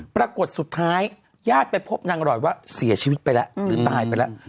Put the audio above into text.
ปรากฏสุดท้ายญาติไปพบนางรอยว่าเสียชีวิตไปแล้วหรือตายไปแล้ว